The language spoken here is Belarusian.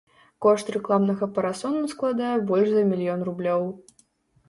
Кошт рэкламнага парасону складае больш за мільён рублёў.